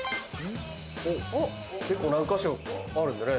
おっ結構何か所かあるんだね。